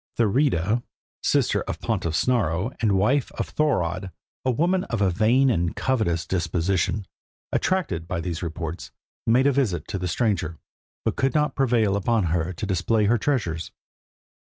Thurida, sister of the pontiff Snorro, and wife of Thorodd, a woman of a vain and covetous disposition, attracted by these reports, made a visit to the stranger, but could not prevail upon her to display her treasures.